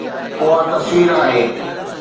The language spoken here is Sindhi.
اها تصوير آهي